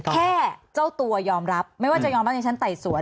แค่เจ้าตัวยอมรับไม่ว่าจะยอมรับในชั้นไต่สวน